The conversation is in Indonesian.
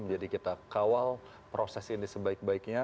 jadi kita kawal proses ini sebaik baiknya